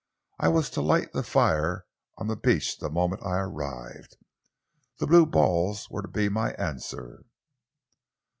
"I was to light the fire on the beach the moment I arrived. The blue balls were to be my answer."